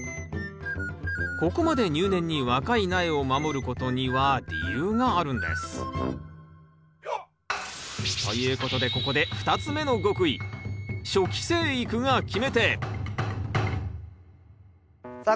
ここまで入念に若い苗を守ることには理由があるんです。ということでここで２つ目の極意さあ